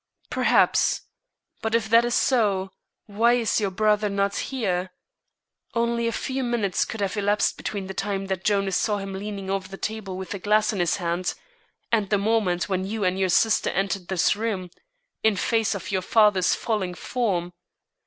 "Perhaps; but if that is so, why is your brother not here? Only a few minutes could have elapsed between the time that Jonas saw him leaning over the table with the glass in his hand and the moment when you and your sister entered this room in face of your father's falling form.